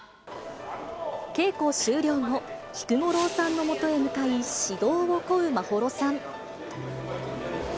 稽古終了後、菊五郎さんのもとへ向かい、指導を請う眞秀さん。